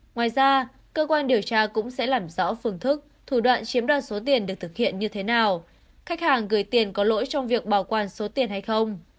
ngoài ra cơ quan điều tra cũng sẽ làm rõ phương thức thủ đoạn chiếm đoạt số tiền được thực hiện như thế nào khách hàng gửi tiền có lỗi trong việc bảo quản số tiền hay không